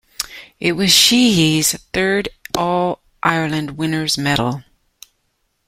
It was Sheehy's third All-Ireland winners' medal.